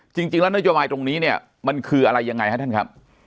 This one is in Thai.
จริงแล้วนโยบายตรงนี้เนี่ยมันคืออะไรยังไงฮะท่านครับ